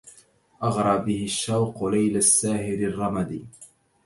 أغرى به الشوق ليل الساهر الرمد